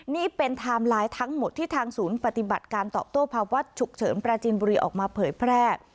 นี่เป็นไทม์ไลน์ทั้งหมดที่ทางศูนย์ปฏิบัติการตอบโต้ภาวะฉุกเฉินปราจินบุรีออกมาเผยแพร่